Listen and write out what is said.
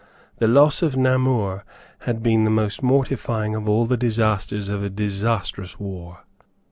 The loss of Namur had been the most mortifying of all the disasters of a disastrous war.